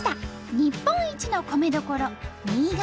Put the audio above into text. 日本一の米どころ新潟。